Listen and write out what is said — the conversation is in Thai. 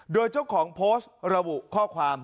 โดยเจ้าของโพสต์ระบุข้อความ